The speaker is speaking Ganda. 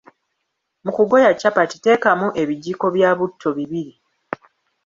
Mu kugoya capati teekamu ebijiiko bya butto bibiri.